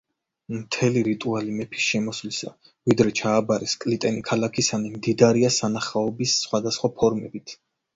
მთელი რიტუალი მეფის შემოსვლისა, ვიდრე ჩააბარეს „კლიტენი ქალაქისანი“, მდიდარია სანახაობის სხვადასხვა ფორმებით.